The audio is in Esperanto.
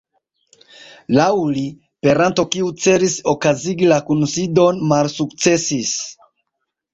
Laŭ li, peranto kiu celis okazigi la kunsidon malsukcesis.